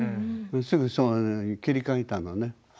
すぐに切り替えたのね。